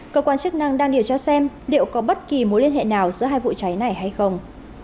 cơ quan chức năng đang điều tra xem liệu có bất kỳ mối liên hệ nào giữa hai vụ cháy này hay không